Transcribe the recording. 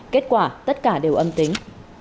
kết quả tất cả đều âm tính